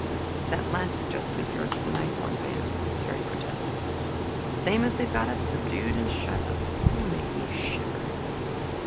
"That last suggestion of yours is a nice one, Van," Terry protested. "Same as they've got us subdued and shut up! you make me shiver."